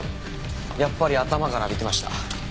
やっぱり頭から浴びてました。